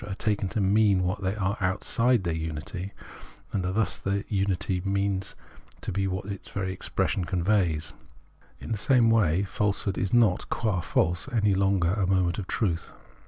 are taken to mean what they are outside their unity, and are thus in that miity not meant to be what its very expression conveys. In the same way falsehood is not, qua false, any longer a moment of truth.